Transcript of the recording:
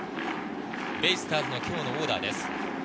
ベイスターズの今日のオーダーです。